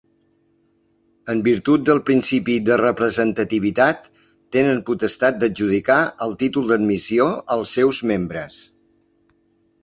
En virtut del principi de representativitat, tenen potestat d'adjudicar el títol d'admissió als seus membres.